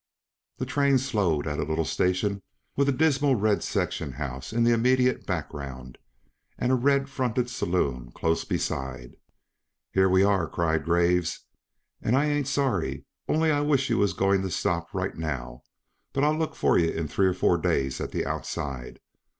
The train slowed at a little station with a dismal red section house in the immediate background and a red fronted saloon close beside. "Here we are," cried Graves, "and I ain't sorry; only I wisht you was going to stop right now. But I'll look for yuh in three or four days at the outside.